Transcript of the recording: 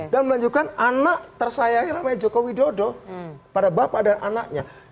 dan melanjutkan anak tersayangin namanya jokowi dodo pada bapak dan anaknya